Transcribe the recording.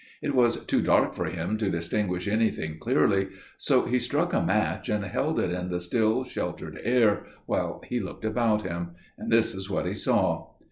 It was too dark for him to distinguish anything clearly, so he struck a match and held it in the still sheltered air while he looked about him. This is what he saw.